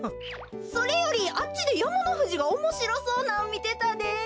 それよりあっちでやまのふじがおもしろそうなんみてたで。